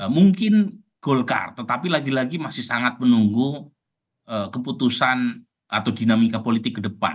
mungkin golkar tetapi lagi lagi masih sangat menunggu keputusan atau dinamika politik ke depan